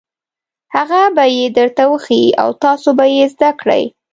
هغه به یې درته وښيي او تاسو به یې زده کړئ.